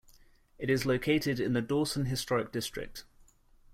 It is located in the Dawson Historic District.